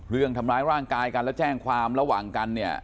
เรื่องทำร้ายร่างกายกันและแจ้งความระหว่างกันเนี่ย